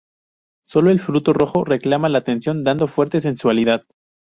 Sólo el fruto rojo reclama la atención dando fuerte sensualidad.